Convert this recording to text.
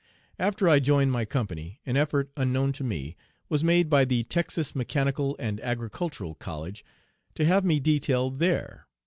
After I joined my company an effort (unknown to me) was made by the Texas Mechanical and Agricultural College to have me detailed there.